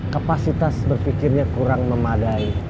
kapasitas berpikirnya kurang memadai